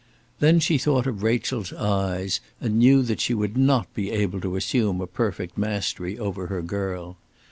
Then she thought of Rachel's eyes, and knew that she would not be able to assume a perfect mastery over her girl.